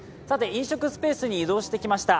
飲食スペースに移動してきました。